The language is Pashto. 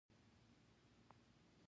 ټپي انسان ته دعا پکار ده.